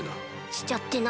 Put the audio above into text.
「しちゃってな」